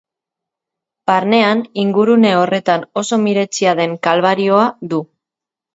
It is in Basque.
Barnean, ingurune horretan oso miretsia den kalbarioa du.